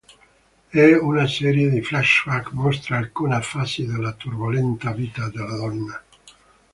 Una serie di flashback mostra alcune fasi della turbolenta vita della donna.